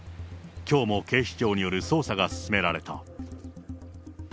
きょうも警視庁による捜査が進められた。